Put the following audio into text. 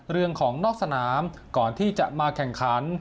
เรื่องของนอกสนามก่อนที่จะมาแข่งขัน